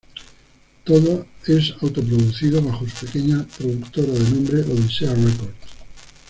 Todo es autoproducido bajo su pequeña productora de nombre Odisea Records.